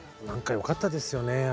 何かよかったですよね